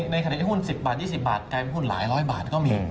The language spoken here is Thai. ในขณะที่หุ้น๑๐บาท๒๐บาทกลายเป็นหุ้นหลายร้อยบาทก็มี